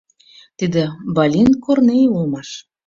Тиде Балинт Кӧрнеи улмаш.